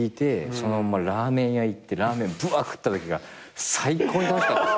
そのまんまラーメン屋行ってラーメンぶわっ食ったときが最高に楽しかった。